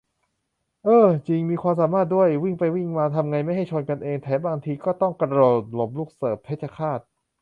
เอ้อ จริง มีความสามารถด้วย วิ่งไปวิ่งมาทำไงไม่ให้ชนกันเอง แถมบางทีต้องกระโดดหลบลูกเสิร์ฟเพชรฆาต !